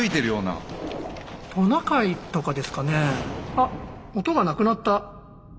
あ音がなくなった。